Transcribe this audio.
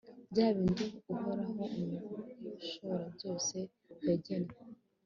bya bindi uhoraho umushoborabyose yagennye